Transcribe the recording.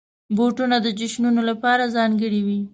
بوټونه د جشنونو لپاره ځانګړي وي.